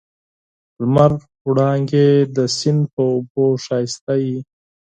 د لمر وړانګې د سیند پر اوبو ښایسته وې.